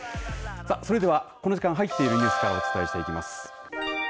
それではこの時間入っているニュースからお伝えします。